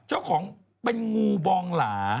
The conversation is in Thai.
เจ้าของเป็นงูบองหลา